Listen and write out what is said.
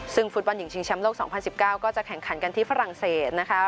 ซึ่งฟุตบอลหญิงชิงแชมป์โลก๒๐๑๙ก็จะแข่งขันกันที่ฝรั่งเศสนะคะ